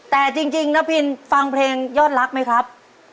แต่จริงน้าพินฟังเพลงยอดรักไหมครับ